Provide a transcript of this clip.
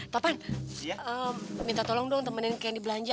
tapan minta tolong dong temenin kenny belanja